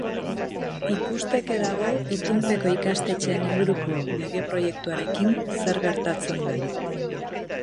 Ikusteke dago itunpeko ikastetxeen inguruko lege-proiektuarekin zer gertatzen den.